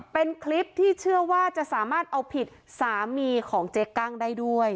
เป็นคลิปที่เชื่อว่าจะสามารถเอาผิดสามีของเจ๊กั้งได้ด้วย